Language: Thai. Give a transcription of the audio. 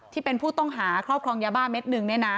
ที่เป็นผู้ต้องหาครอบครองยาบ้าเม็ดหนึ่ง